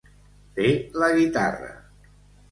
Fer la guitarra.